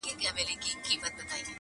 خو زه تاسي ته كيسه د ژوند كومه٫